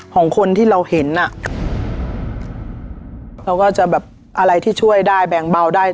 ของคนที่เราเห็นอ่ะเราก็จะแบบอะไรที่ช่วยได้แบ่งเบาได้